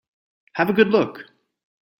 Have a good look.